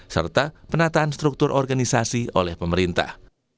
serta penataan struktur organisasi oleh pemerintah